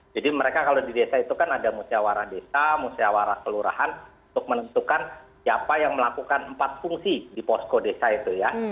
mereka kalau di desa itu kan ada musyawarah desa musyawarah kelurahan untuk menentukan siapa yang melakukan empat fungsi di posko desa itu ya